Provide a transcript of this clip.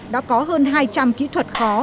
đã có hơn hai trăm linh kỹ thuật khó